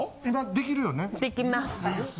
できます。